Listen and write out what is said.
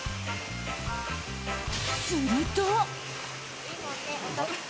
すると。